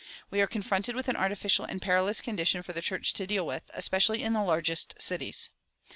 We are confronted with an artificial and perilous condition for the church to deal with, especially in the largest cities.